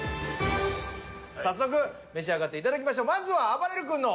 早速召し上がっていただきましょう。